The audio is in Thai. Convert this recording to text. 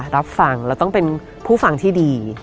รับฟังแล้วต้องเป็นผู้ฟังที่ดี